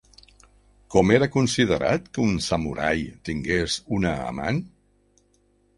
Com era considerat que un samurai tingués una amant?